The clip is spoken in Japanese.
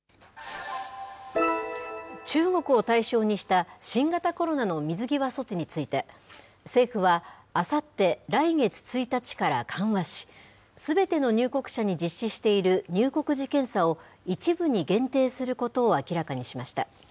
中国を対象にした新型コロナの水際措置について、政府は、あさって来月１日から緩和し、すべての入国者に実施している入国時検査を、一部に限定することを明らかにしました。